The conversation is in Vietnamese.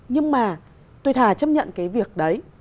nhưng mà tôi thà chấp nhận cái việc đấy